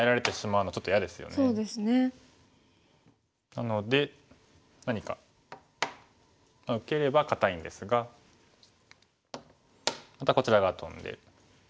なので何か受ければ堅いんですがまたこちら側トンで。